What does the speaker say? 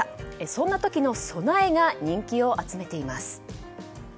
そんな時の備えが人気を集めています。